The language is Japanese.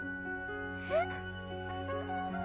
えっ？